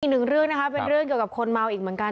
อีกหนึ่งเรื่องนะคะเป็นเรื่องเกี่ยวกับคนเมาอีกเหมือนกัน